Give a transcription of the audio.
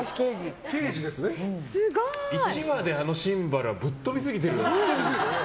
１話であのシンバルはぶっ飛びすぎてる。